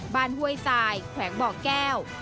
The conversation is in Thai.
บ้านห้วยสายแขวงบ่อกแก้ว